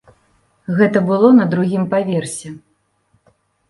Гэта было на другім паверсе.